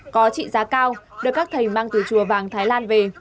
có trị giá cao được các thầy mang từ chùa vàng thái lan về